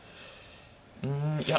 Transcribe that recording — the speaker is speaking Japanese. うんいや